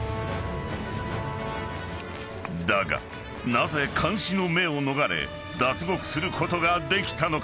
［だがなぜ監視の目を逃れ脱獄することができたのか？］